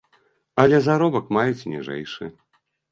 Але заробак маюць ніжэйшы.